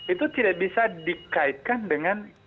itu tidak bisa dikaitkan dengan